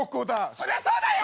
そりゃそうだよ！